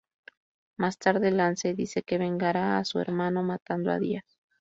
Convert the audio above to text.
Más tarde, Lance dice que vengará a su hermano matando a Díaz.